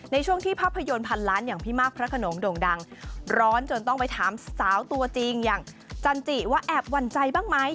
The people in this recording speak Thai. ในช่วงที่ภาพยนตร์พันล้านอย่างพี่มากพระขนงโด่งดังร้อนจนต้องไปถามสาวตัวจริงอย่างจันจิว่าแอบหวั่นใจบ้างไหม